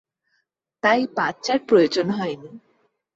তাই বাচ্চার প্রয়োজন হয়নি।